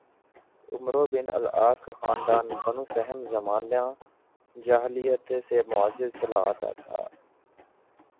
"عمروبن العاص کا خاندان "بنوسہم"زمانہ جاہلیت سے معزز چلا آتا تھا"